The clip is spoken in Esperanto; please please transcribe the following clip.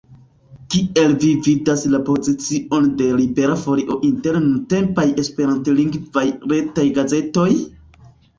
Kiel vi vidas la pozicion de Libera Folio inter nuntempaj esperantlingvaj retaj gazetoj?